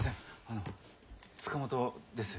あの塚本です。